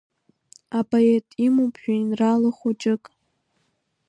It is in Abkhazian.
Апоет имоуп жәеинраала хәыҷык.